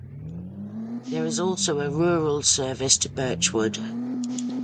There is also a rural service to Birchwood.